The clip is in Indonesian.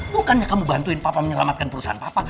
bukannya kamu bantuin papa menyelamatkan perusahaan papan